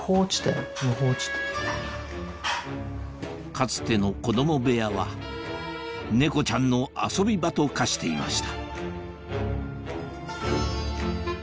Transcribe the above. かつての子供部屋は猫ちゃんの遊び場と化していました